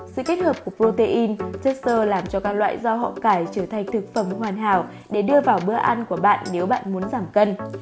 sự kết hợp của protein chất sơ làm cho các loại rau họ cải trở thành thực phẩm hoàn hảo để đưa vào bữa ăn của bạn nếu bạn muốn giảm cân